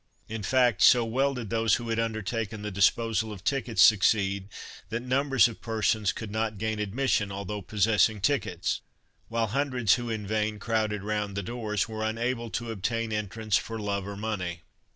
In fact so well did those who had undertaken the disposal of tickets succeed, that numbers of persons could not gain admission although possessing tickets, while hundreds who in vain crowded round the doors were unable to obtain entrance "for love or money."